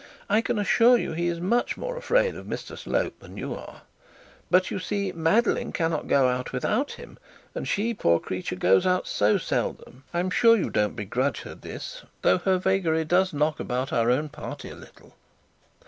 I can assure you he is much more afraid of Mr Slope than you are. But you see Madeline cannot go without him, and she, poor creature, goes out so seldom! I am sure you don't begrudge her this, though her vagary does knock about our own party a little.'